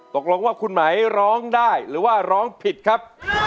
ตกลงว่าคุณไหมร้องได้หรือว่าร้องผิดครับ